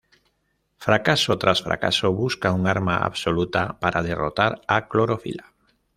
Fracaso tras fracaso, busca un arma absoluta para derrotar a Clorofila.